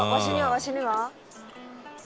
わしには？」